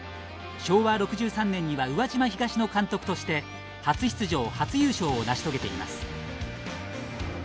昭和６３年には宇和島東の監督として初出場初優勝を成し遂げています。